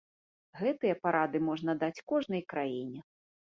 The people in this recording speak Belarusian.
Гэтыя парады можна даць кожнай краіне.